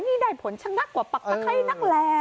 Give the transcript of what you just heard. นี่ได้ผลชะงักกว่าปักตะไข้นักแล